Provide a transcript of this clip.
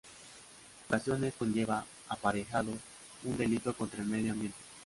En ocasiones conlleva aparejado un delito contra el medio ambiente.